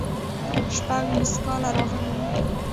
شپږ ميسکاله راغلي وو.